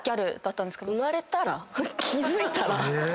「気付いたら」